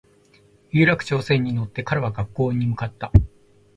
有楽町線に乗って彼は学校に向かった